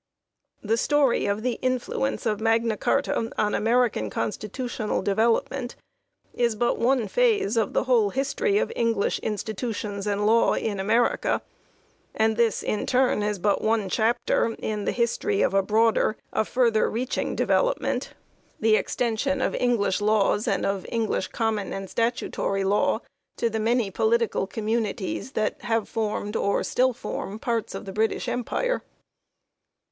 The story of the influence of Magna Carta on Ameri can constitutional development is but one phase of the whole history of English institutions and law in America, and this in turn is but one chapter in the history of a broader, a further reaching development the extension of English institutions and of English Common and Statutory Law to the many political communities that have formed or still form parts of the British Empire.